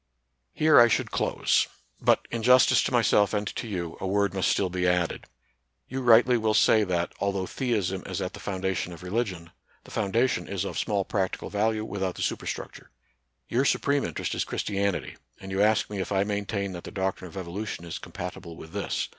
Here I should close ; but, in justice to myself and to you, a word must still be added. You rightly will say that, although theism is at the foundation of religion, the foundation is of small practical value without the superstruc ture. Your supreme interest is Christianity; and you ask me if I maintain that the doc trine of evolution is compatible with this.